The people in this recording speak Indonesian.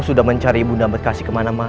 sudah mencari ibu ndamberkasi kemana mana